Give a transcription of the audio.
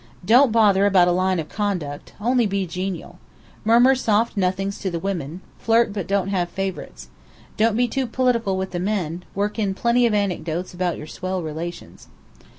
Don't bother about a line of conduct: only be genial. Murmur soft nothings to the women; flirt but don't have favourites. Don't be too political with the men: work in plenty of anecdotes about your swell relations."